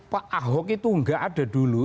pak ahok itu nggak ada dulu